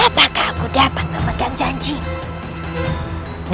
apakah aku dapat memegang janjimu